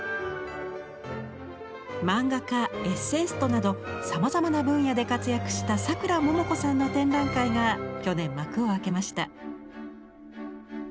漫画家エッセイストなどさまざまな分野で活躍したさくらももこさんの展覧会が去年幕を開けました。